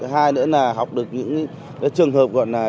hai nữa là học được những trường hợp gọi là